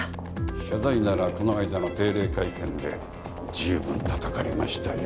謝罪ならこの間の定例会見で十分たたかれましたよ。